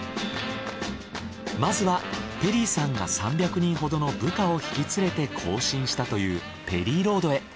まずはペリーさんが３００人ほどの部下を引き連れて行進したというペリーロードへ。